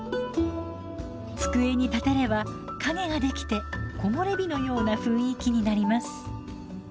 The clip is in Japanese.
机に立てれば影ができて木漏れ日のような雰囲気になります。